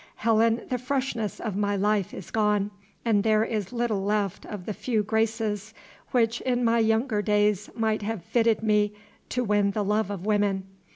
Helen, the freshness of my life is gone, and there is little left of the few graces which in my younger days might have fitted me to win the love of women.